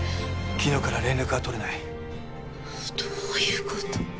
昨日から連絡が取れないどういうこと？